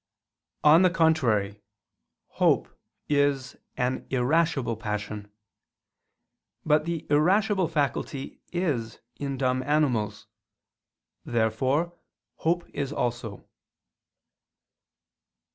On the contrary, Hope is an irascible passion. But the irascible faculty is in dumb animals. Therefore hope is also.